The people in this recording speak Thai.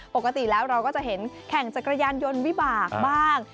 ปกติแล้วเราก็จะเห็นแข่งจักรยานยนต์วิบากบ้าง